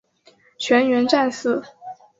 全员战死。